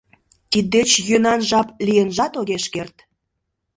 — Тиддеч йӧнан жап лийынжат огеш керт!»